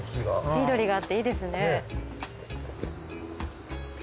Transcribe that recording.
緑があっていいですね。